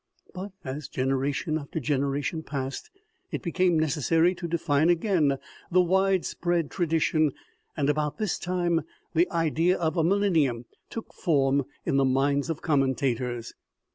But, as generation after generation passed, it became necessary to define again the wide spread tradition, and about this time the idea of a millennium took form in the minds of commentators.